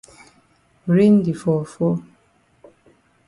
Rain di fall fall.